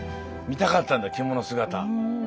見たかったんだ着物姿。